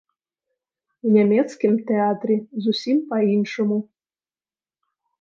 У нямецкім тэатры зусім па-іншаму.